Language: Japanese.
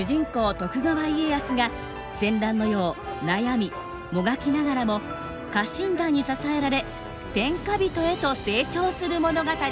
徳川家康が戦乱の世を悩みもがきながらも家臣団に支えられ天下人へと成長する物語。